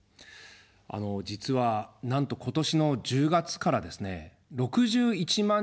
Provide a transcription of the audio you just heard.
実は、なんと今年の１０月からですね、６１万